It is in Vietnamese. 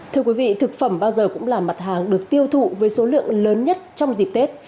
thưa quý vị thực phẩm bao giờ cũng là mặt hàng được tiêu thụ với số lượng lớn nhất trong dịp tết